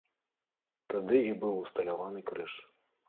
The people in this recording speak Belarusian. Тады і быў усталяваны крыж.